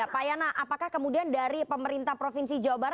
pak yana apakah kemudian dari pemerintah provinsi jawa barat